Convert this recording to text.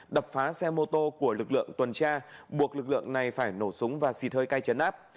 đập phá xe mô tô của lực lượng tuần tra buộc lực lượng này phải nổ súng và xịt hơi cay chấn áp